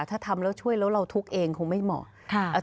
ถ้าทำแล้วช่วยแล้วเราทุกข์เองคงไม่เหมาะ